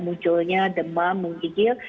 munculnya demam mengigil